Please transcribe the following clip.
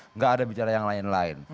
nggak ada bicara yang lain lain